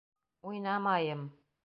Уй-на-ма-йым!